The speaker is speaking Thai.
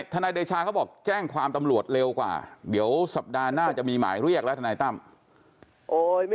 ทนายเดชาเขาบอกแจ้งความตำรวจเร็วกว่าเดี๋ยวสัปดาห์หน้าจะมีหมายเรียกแล้วทนายตั้ม